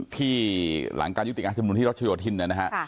ที่หลังการยุติกอาชบุลที่รัชโยธินนะครับ